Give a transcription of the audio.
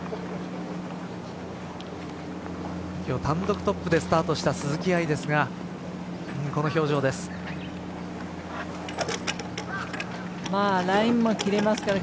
今日、単独トップでスタートした鈴木愛ですがこの表情です。